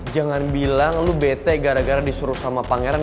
jangan bilang lu bete gara gara disuruh sama pangeran